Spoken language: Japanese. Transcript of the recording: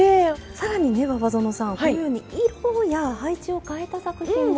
更にね馬場園さんこのように色や配置をかえた作品も。